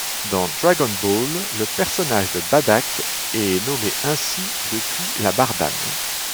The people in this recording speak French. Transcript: Dans Dragon Ball, le personnage de Baddack est nommé ainsi depuis la bardane.